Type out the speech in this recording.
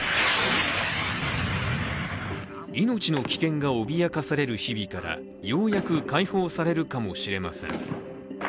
命の危険が脅かされる日々からようやく解放されるかもしれません。